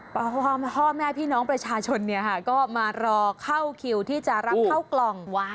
พอพ่อแม่พี่น้องประชาชนก็มารอเข้าคิวที่จะรับเข้ากล่อง